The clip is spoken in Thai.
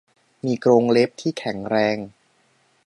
มีกรงเล็บที่แข็งแรง